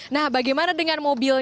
nah bagaimana dengan mobil